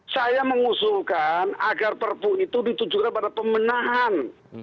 saya mengusulkan agar perpu itu ditujukan pada pemenahan